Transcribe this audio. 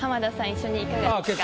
一緒にいかがですか？